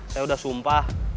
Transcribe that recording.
saya udah sumpah